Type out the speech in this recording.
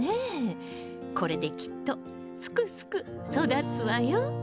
これできっとすくすく育つわよ。